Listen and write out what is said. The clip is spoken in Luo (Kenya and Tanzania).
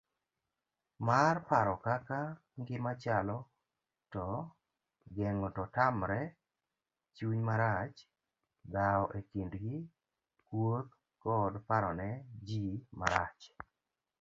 mar paro kaka ngima chalo to geng'o to tamre chunymarach, dhawoekindji, kuothkodparonejimarach